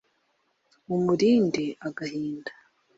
umulinde agahinda